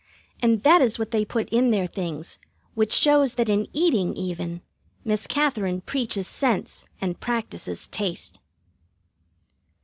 And that is what they put in their things, which shows that in eating, even, Miss Katherine preaches sense and practises taste.